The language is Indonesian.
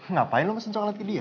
ngapain lo pesan coklat ke dia